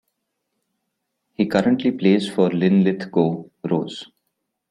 He currently plays for Linlithgow Rose.